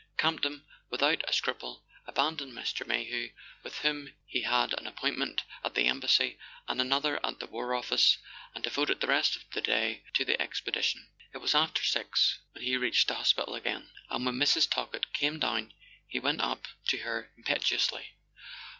Campton, without a scruple, abandoned Mr. May hew, with whom he had an appointment at the Embassy and another at the War Office, and de¬ voted the rest of the day to the expedition. It was after six when he reached the hospital again; and when Mrs. Talkett came down he went up to her impetuously.